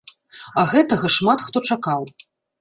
А гэтага шмат хто чакаў.